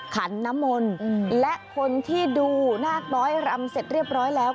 ขันน้ำมนต์และคนที่ดูนาคน้อยรำเสร็จเรียบร้อยแล้ว